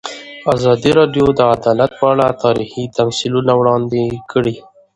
ازادي راډیو د عدالت په اړه تاریخي تمثیلونه وړاندې کړي.